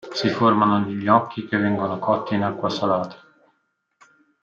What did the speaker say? Si formano gli gnocchi che vengono cotti in acqua salata.